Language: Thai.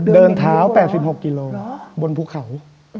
เดินเท้า๘๖กิโลบนภูเขา